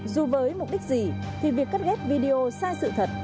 dù với mục đích gì thì việc cắt ghép video sai sự thật